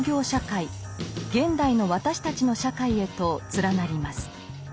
現代の私たちの社会へと連なります。